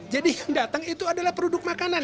jadi yang datang itu adalah produk makanan